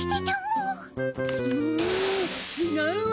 んちがうわ。